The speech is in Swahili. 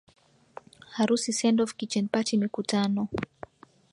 harusi send off kitchen party mikutano